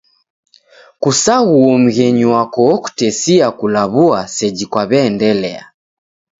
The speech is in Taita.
Kusaghuo mghenyu wako okutesia kulaw'ua seji kwaendelia.